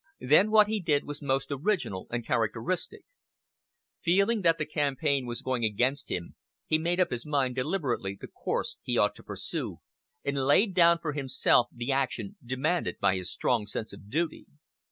Then what he did was most original and characteristic. Feeling that the campaign was going against him, he made up his mind deliberately the course he ought to pursue, and laid down for himself the action demanded by his strong sense of duty.